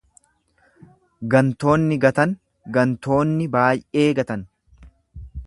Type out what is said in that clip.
Gantoonni gatan, gantoonni baay'ee gatan.